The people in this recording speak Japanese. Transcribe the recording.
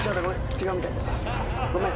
違うみたい。ごめん。